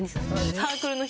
サークルの人。